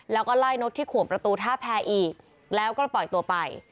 แล้วก็ไล่นกที่ขวงประตูท่าแพรอีกแล้วก็ปล่อยตัวไป